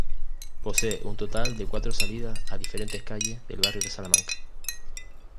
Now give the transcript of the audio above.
Posee un total de cuatro salidas a diferentes calles del barrio de Salamanca.